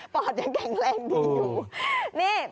อดยังแข็งแรงดีอยู่นี่